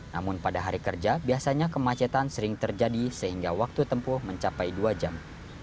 namun pada hari kerja biasanya kemacetan sering terjadi sehingga waktu tempuh mencapai dua jam